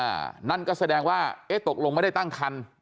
นั่นก็แสดงว่าเอ๊ะตกลงไม่ได้ตั้งคัน